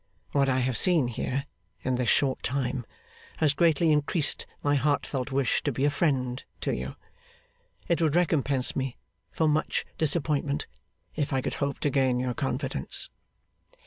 What I have seen here, in this short time, has greatly increased my heartfelt wish to be a friend to you. It would recompense me for much disappointment if I could hope to gain your confidence.